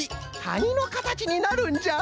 たにのかたちになるんじゃ。